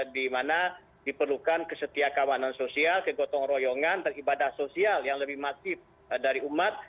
di mana diperlukan kesetiakawanan sosial kegotong royongan ibadah sosial yang lebih masif dari umat